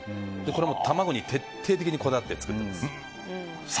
これも卵に徹底的にこだわって作っています。